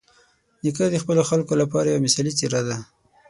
نیکه د خپلو خلکو لپاره یوه مثالي څېره ده.